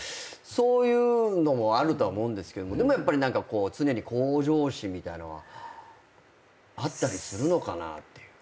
そういうのもあるとは思うんですけどでもやっぱり常に向上心みたいのはあったりするのかなっていう。